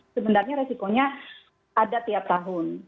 sebenarnya resikonya ada tiap tahun